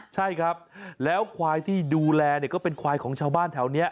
ใช่ครับแล้วควายที่ดูแลเนี่ยก็เป็นควายของชาวบ้านแถวนี้